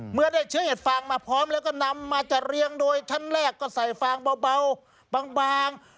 เมื่อได้เชื้อเห็ดฟางมาพร้อมแล้วก็นำมาจะเรียงโดยชั้นแรกก็ใส่ฟางเบาบาง